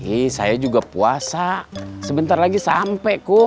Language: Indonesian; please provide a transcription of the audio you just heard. iya saya juga puasa sebentar lagi sampe kum